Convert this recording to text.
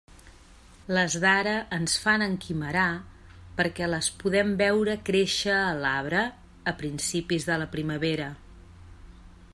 Les d'ara ens fan enquimerar perquè les podem veure créixer a l'arbre a principis de la primavera.